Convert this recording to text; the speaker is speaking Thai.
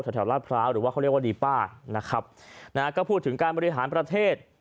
แถวแถวราชพร้าวหรือว่าเขาเรียกว่าดีป้านะครับนะฮะก็พูดถึงการบริหารประเทศ